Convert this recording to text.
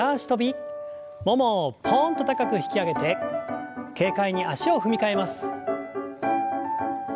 ももをポンと高く引き上げて軽快に足を踏み替えます。